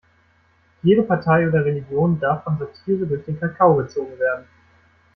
Jede Partei oder Religion darf von Satire durch den Kakao gezogen werden.